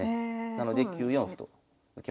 なので９四歩と受けます。